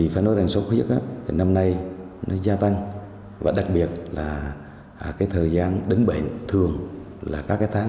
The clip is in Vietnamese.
phải nói rằng sốt huyết năm nay nó gia tăng và đặc biệt là thời gian đứng bệnh thường là các tháng chín một mươi một mươi một